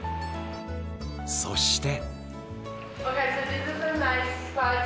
そして。